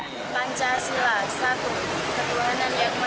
pancasila satu ketuanan yagman aisah dua pemanusiaan lima